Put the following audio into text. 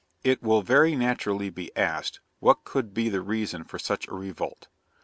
'It will very naturally be asked, what could be the reason for such a revolt?